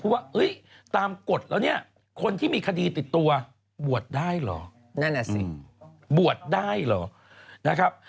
ว่าตามกฎแล้วเนี่ยคนที่มีคดีติดตัวบวชได้เหรอนั่นน่ะสิบวชได้เหรอนะครับ